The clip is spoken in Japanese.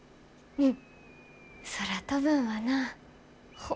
うん。